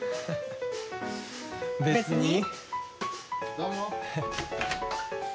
・どうも。